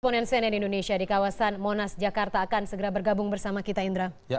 komponen cnn indonesia di kawasan monas jakarta akan segera bergabung bersama kita indra